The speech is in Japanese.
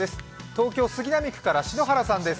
東京・杉並区から篠原さんです。